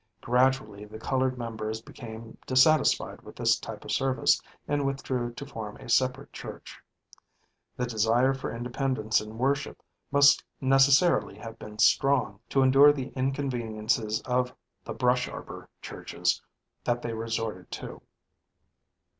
Gradually, the colored members became dissatisfied with this type of service and withdrew to form a separate church. The desire for independence in worship must necessarily have been strong, to endure the inconveniences of the "brush arbor" churches that they resorted to.